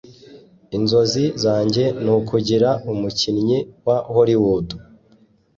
Inzozi zanjye nukugira umukinnyi wa Hollywood.